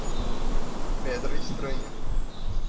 Pedra estranha